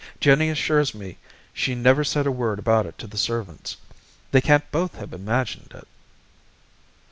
Jennie assures me she never said a word about it to the servants. They can't both have imagined it."